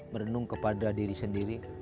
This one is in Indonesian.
merenung kepada diri sendiri